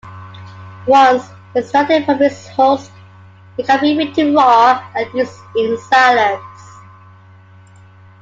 Once extracted from its husk, it can be eaten raw and used in salads.